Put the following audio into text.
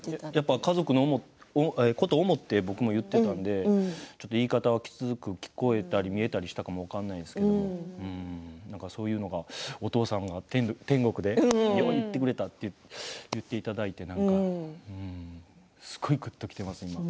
家族のことを思って僕も言っていたので、言い方はきつく聞こえたり見えたりしたかも分かんないですけどなんかそういうのがお父さんが天国でよう言ってくれたって言っていただいて、なんかすごいぐっときています、今。